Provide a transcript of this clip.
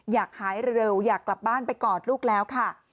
อยากหายเร็วอยากกลับบ้านไปกอดลูกแล้วค่ะ